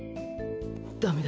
「ダメだ！